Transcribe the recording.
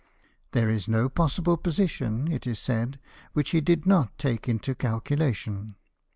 There is no possible position, it is said, which he did not take into calculation.